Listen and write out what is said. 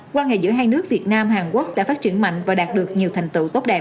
quan hệ giữa hai nước việt nam hàn quốc đã phát triển mạnh và đạt được nhiều thành tựu